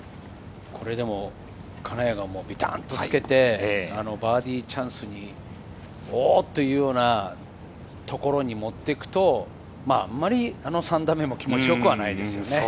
金谷がビタンとつけて、バーディーチャンスというようなところに持っていくと、３打目も気持ちよくはないですよね。